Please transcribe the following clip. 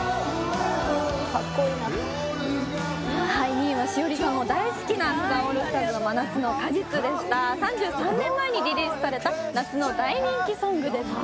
２位は栞里さんも大好きなサザンオールスターズの「真夏の果実」でした３３年前にリリースされた夏の大人気ソングですね